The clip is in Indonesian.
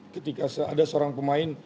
ketika ada seorang pemain